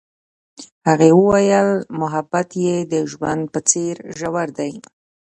هغې وویل محبت یې د ژوند په څېر ژور دی.